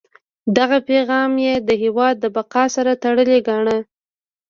دغه پیغام یې د هیواد د بقا سره تړلی ګاڼه.